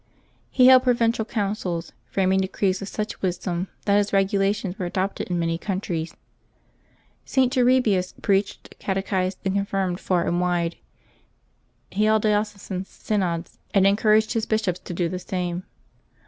He held provincial councils, framing decrees of such wisdom that his regula tions were adopted in many countries. St. Turribius preached, catechized, and confirmed far and wide; he held diocesan synods, and encouraged his bishops to do the same.